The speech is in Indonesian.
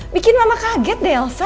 bikin mama kaget deh elsa